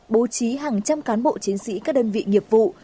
bố trí hàng trăm cán bộ chiến sĩ các đơn vị nghiệp vụ